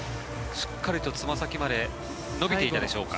しっかりとつま先まで伸びていたでしょうか。